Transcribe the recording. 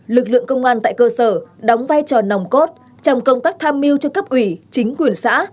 lực lượng công an tại cơ sở đóng vai trò nòng cốt trong công tác tham mưu cho cấp ủy chính quyền xã